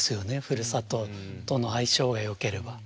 ふるさととの相性がよければ。